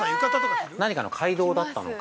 何かの街道だったのか。